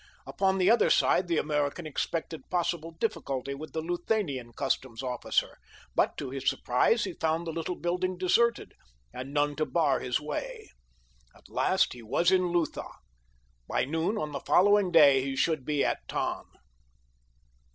Upon the other side the American expected possible difficulty with the Luthanian customs officer, but to his surprise he found the little building deserted, and none to bar his way. At last he was in Lutha—by noon on the following day he should be at Tann.